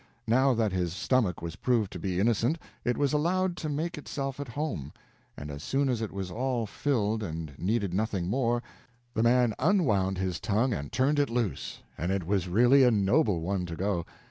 Now that his stomach was proved to be innocent, it was allowed to make itself at home; and as soon as it was well filled and needed nothing more, the man unwound his tongue and turned it loose, and it was really a noble one to go.